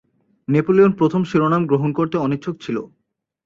Napoleon প্রথম শিরোনাম গ্রহণ করতে অনিচ্ছুক ছিল।